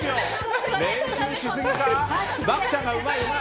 漠ちゃんがうまいうまい！